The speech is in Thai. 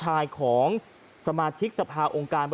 เฮ้ยเฮ้ยเฮ้ย